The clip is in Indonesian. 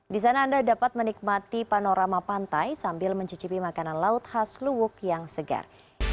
di sana anda dapat menikmati panorama pantai sambil mencicipi makanan laut khas luwuk yang segar